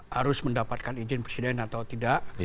harus mendapatkan izin presiden atau tidak